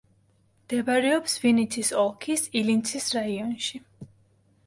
მდებარეობს ვინიცის ოლქის ილინცის რაიონში.